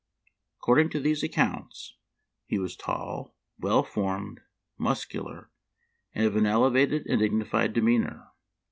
According to these accounts, he was tall, well formed, muscular, and of an elevated and dignified demeanor.